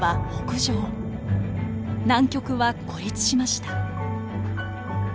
南極は孤立しました。